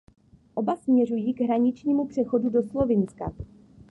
Obě směřují k hraničnímu přechodu do Slovinska.